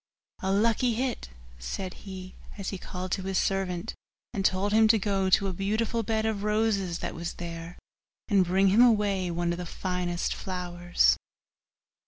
'A lucky hit!' said he, as he called to his servant, and told him to go to a beautiful bed of roses that was there, and bring him away one of the finest flowers.